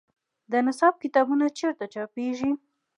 د نصاب کتابونه چیرته چاپیږي؟